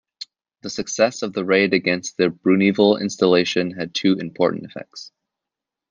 The success of the raid against the Bruneval installation had two important effects.